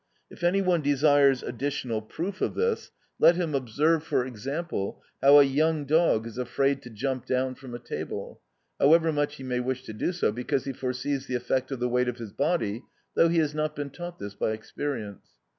If any one desires additional proof of this, let him observe, for example, how a young dog is afraid to jump down from a table, however much he may wish to do so, because he foresees the effect of the weight of his body, though he has not been taught this by experience.